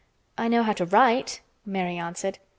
"I know how to write," Mary answered.